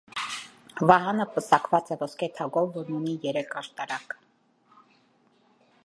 Վահանը պսակված է ոսկե թագով, որն ունի երեք աշտարակ։